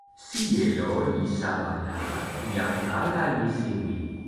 sijelo li sama la, jan ala li sewi.